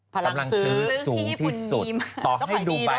พลังซื้อสูงที่สุด